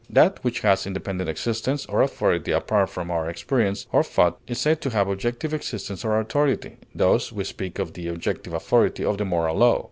That which has independent existence or authority apart from our experience or thought is said to have objective existence or authority; thus we speak of the objective authority of the moral law.